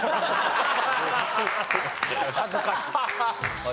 恥ずかしい。